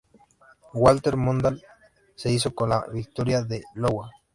Walter Mondale se hizo con la victoria en Iowa.